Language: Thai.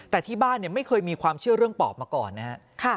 แต่ที่บ้านไม่เคยมีความเชื่อเรื่องปอบมาก่อนนะครับ